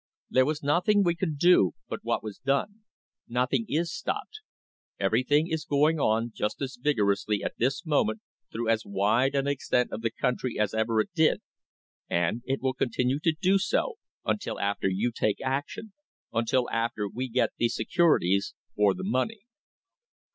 There was nothing we could do but what was done; nothing was stopped, nothing is stopped, everything is going on just as vigorously at this moment through as wide an extent of country as ever it did, and it will continue to do so until after you take action, until after we get these securities or the money.